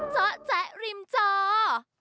โปรดติดตามตอนต่อไป